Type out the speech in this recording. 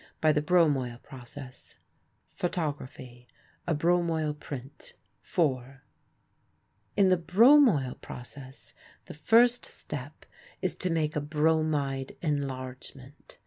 ANDERSON PORTRAIT BY THE BROMOIL PROCESS] PHOTOGRAPHY A Bromoil Print FOUR In the bromoil process, the first step is to make a bromide enlargement.